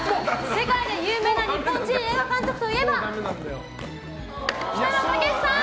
世界で有名な日本人映画監督といえば北野武さん！